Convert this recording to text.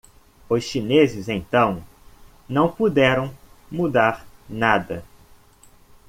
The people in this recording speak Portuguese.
Os chineses, então, não puderam mudar nada.